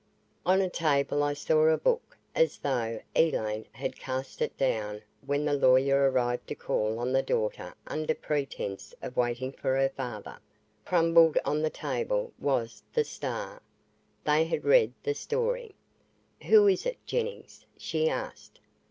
On a table I saw a book, as though Elaine had cast it down when the lawyer arrived to call on the daughter under pretense of waiting for her father. Crumpled on the table was the Star. They had read the story. "Who is it, Jennings?" she asked.